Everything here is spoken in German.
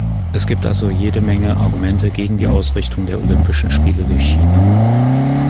Es gibt also jede Menge Argumente gegen die Ausrichtung der Olympischen Spiele durch China.